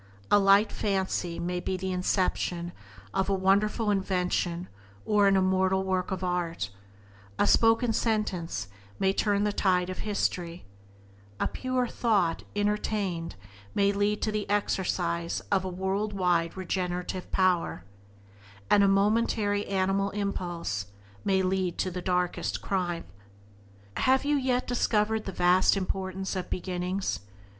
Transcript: A light fancy may be the inception of a wonderful invention or an immortal work of art; a spoken sentence may turn the tide of history; a pure thought entertained may lead to the exercise of a world wide regenerative power; and a momentary animal impulse may lead to the darkest crime. Have you yet discovered the vast importance of beginnings?